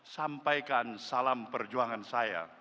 sampaikan salam perjuangan saya